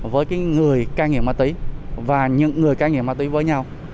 với người cai nghiện ma túy và những người cai nghiện ma túy với nhau